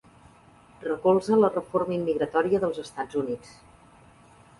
Recolza la reforma immigratòria dels Estats Units.